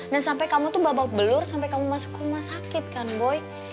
dan sampai kamu tuh babak belur sampai kamu masuk rumah sakit kan boy